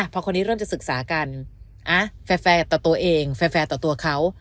พอคนนี้เริ่มจะศึกษากันแฟร์ต่อตัวเองแฟร์ต่อตัวเขา